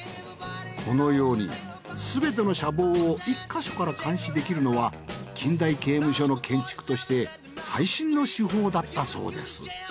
このようにすべての舎房を１か所から監視できるのは近代刑務所の建築として最新の手法だったそうです。